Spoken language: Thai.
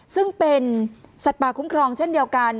ซึ่งเป็นสัตว์ป่าคุ้มครองเช่นเดียวกัน